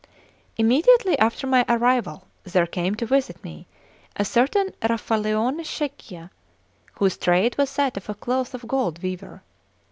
CIX IMMEDIATELY after my arrival, there came to visit me a certain Raffaellone Scheggia, whose trade was that of a cloth of gold weaver.